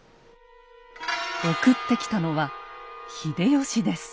送ってきたのは秀吉です。